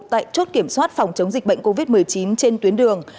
tại chốt kiểm soát phòng chống dịch bệnh covid một mươi chín trên tuyến đường